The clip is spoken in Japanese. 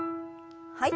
はい。